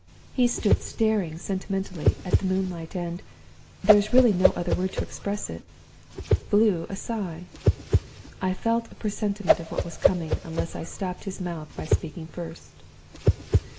He stood staring sentimentally at the moonlight; and there is really no other word to express it blew a sigh. I felt a presentiment of what was coming, unless I stopped his mouth by speaking first.